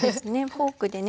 フォークでね